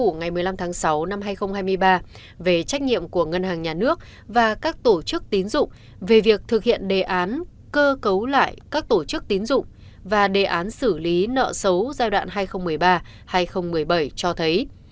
ngày một mươi năm tháng sáu năm hai nghìn hai mươi ba về trách nhiệm của ngân hàng nhà nước và các tổ chức tín dụng về việc thực hiện đề án cơ cấu lại các tổ chức tín dụng và đề án xử lý nợ xấu giai đoạn hai nghìn một mươi ba hai nghìn một mươi bảy cho thấy